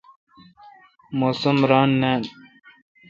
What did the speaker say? موسم ران نان۔